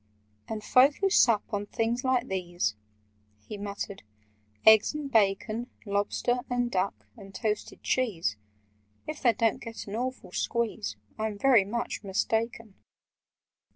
"And folk who sup on things like these—" He muttered, "eggs and bacon— Lobster—and duck—and toasted cheese— If they don't get an awful squeeze, I'm very much mistaken!